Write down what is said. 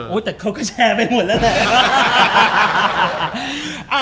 โอ้ยแต่เขาก็แชร์ไปหมดแล้วเนี่ย